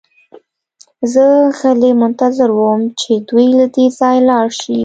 زه غلی منتظر وم چې دوی له دې ځایه لاړ شي